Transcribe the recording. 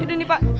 tidak bisa pak